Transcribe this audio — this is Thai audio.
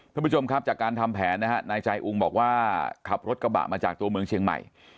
ท่านผู้ชมครับจากการทำแผนนะฮะนายใจอุงบอกว่าขับรถกระบะมาจากตัวเมืองเชียงใหม่